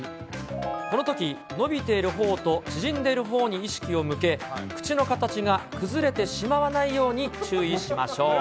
このとき、伸びているほおと縮んでいるほおに意識を向け、口の形が崩れてしまわないように注意しましょう。